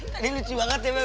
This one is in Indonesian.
tadi lucu banget ya